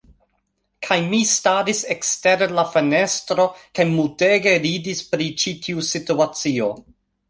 Kaj mi, staris ekster la fenestro, kaj multege ridis pri ĉi tiu situacio.